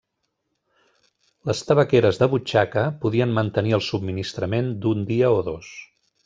Les tabaqueres de butxaca podien mantenir el subministrament d'un dia o dos.